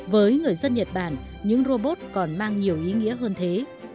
với người dân nhật bản những robot còn mang nhiều ý nghĩa hơn thế